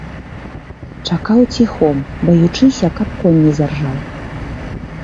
Чакаў ціхом, баючыся, каб конь не заржаў.